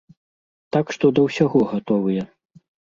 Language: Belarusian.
Так што да ўсяго гатовыя.